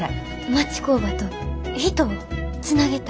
町工場と人をつなげたい。